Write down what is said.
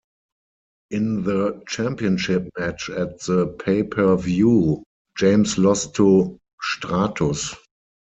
In the championship match at the pay-per-view, James lost to Stratus.